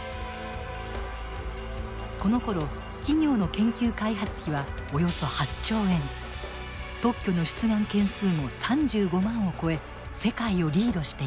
このころ企業の研究開発費はおよそ８兆円特許の出願件数も３５万を超え世界をリードしていた。